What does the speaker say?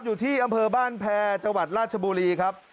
อยู่ที่อำเภอบ้านแพรจังหวัดราชบุรีครับ